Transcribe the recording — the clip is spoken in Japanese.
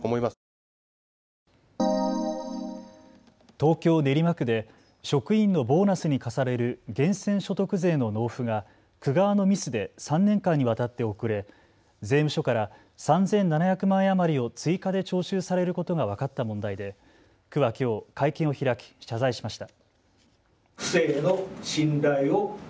東京練馬区で職員のボーナスに課される源泉所得税の納付が区側のミスで３年間にわたって遅れ、税務署から３７００万円余りを追加で徴収されることが分かった問題で区はきょう会見を開き謝罪しました。